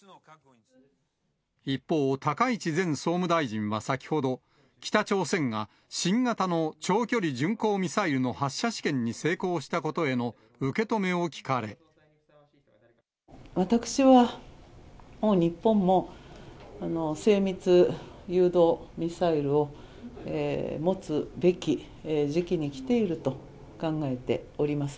一方、高市前総務大臣は先ほど、北朝鮮が新型の長距離巡航ミサイルの発射試験に成功したことへの私はもう日本も、精密誘導ミサイルを持つべき時期に来ていると考えております。